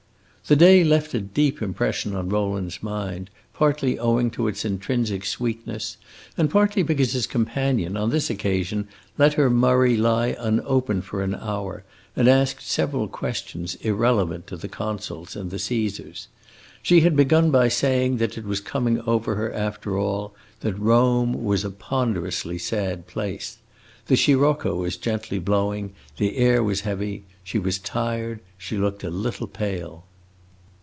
The day left a deep impression on Rowland's mind, partly owing to its intrinsic sweetness, and partly because his companion, on this occasion, let her Murray lie unopened for an hour, and asked several questions irrelevant to the Consuls and the Caesars. She had begun by saying that it was coming over her, after all, that Rome was a ponderously sad place. The sirocco was gently blowing, the air was heavy, she was tired, she looked a little pale.